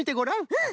うん。